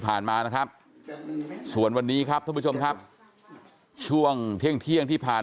มานะครับส่วนวันนี้ครับท่านผู้ชมครับช่วงเที่ยงที่ผ่าน